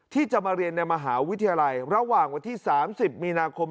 ที่จะมาเรียนในมหาวิทยาลัยระหว่างวันที่๓๐มีนาคม